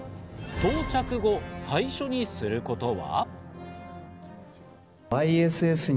到着後、最初にすることは。